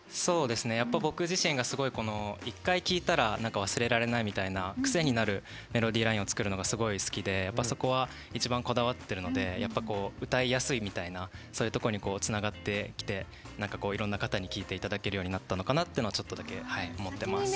僕自身が一回聴いたら忘れられないみたいな癖になるメロディーラインを作るのがすごい好きでそこは一番こだわっているので歌いやすいみたいなそういうところにつながってきていろんな方に聴いていただけるようになったのかなというのはちょっとだけ思ってます。